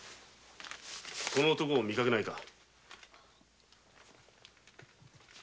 この男を見かけないか？